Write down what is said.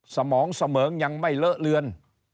สมองเสมองยังไม่เลอะเลือน